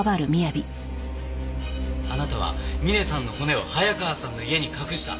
あなたはミネさんの骨を早川さんの家に隠した。